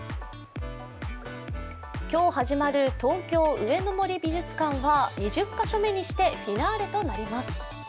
今日始まる東京・上野の森美術館は２０カ所目にしてフィナーレとなります。